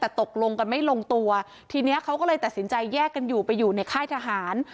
แต่ตกลงกันไม่ลงตัวทีนี้เขาก็เลยตัดสินใจแยกกันอยู่ไปอยู่ในค่ายทหาร